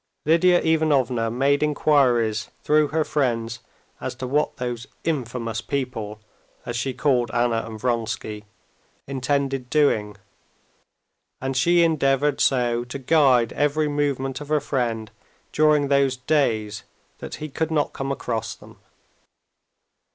Lidia Ivanovna made inquiries through her friends as to what those infamous people, as she called Anna and Vronsky, intended doing, and she endeavored so to guide every movement of her friend during those days that he could not come across them.